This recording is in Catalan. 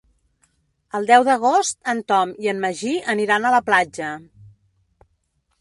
El deu d'agost en Tom i en Magí aniran a la platja.